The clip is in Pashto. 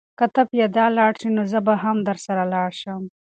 که ته پیاده لاړ شې نو زه به هم درسره لاړ شم.